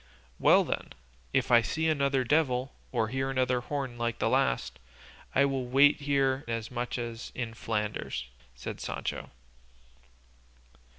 "Well then, if I see another devil or hear another horn like the last, I'll wait here as much as in Flanders," said Sancho.